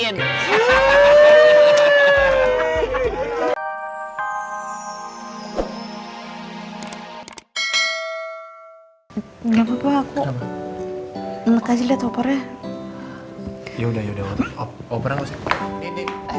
enggak papa aku enak aja lihat opernya ya udah ya udah opernya enggak sih